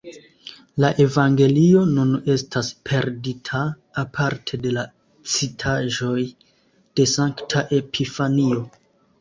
La evangelio nun estas perdita, aparte de la citaĵoj de sankta Epifanio.